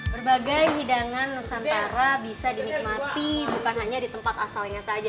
berbagai hidangan nusantara bisa dinikmati bukan hanya di tempat asalnya saja